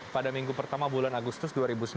pada minggu pertama bulan agustus dua ribu sembilan belas